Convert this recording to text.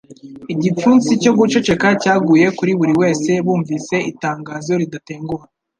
Igipfunsi cyo guceceka cyaguye kuri buri wese bumvise itangazo ridatenguha